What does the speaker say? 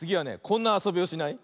こんなあそびをしない？